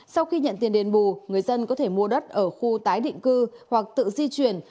sau khi nhận tiền đền bù người dân có thể mua đất ở khu tái định cư hoặc tự di chuyển